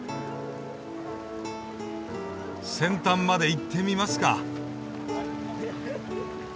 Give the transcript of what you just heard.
先端まで行ってみますか。